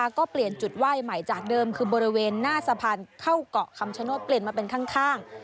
ก็เปลี่ยนจุดไหว้ใหม่จากเดิมคือบริเวณหน้าสะพานเข้าเกาะคำชโนธเปลี่ยนมาเป็นข้าง